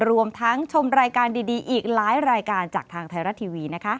รวมทั้งชมรายการดีอีกหลายรายการจากทางไทยรัฐทีวี